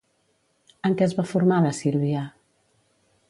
En què es va formar la Sílvia?